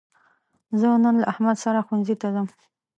زه نن له احمد سره ښوونځي ته ځم.